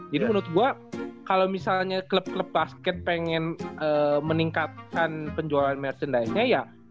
jadi menurut gua kalo misalnya klub klub basket pengen meningkatkan penjualan merchandise nya ya